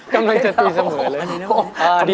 ย่าครับ